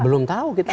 belum tahu kita